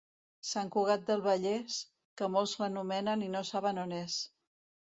Sant Cugat del Vallès, que molts l'anomenen i no saben on és.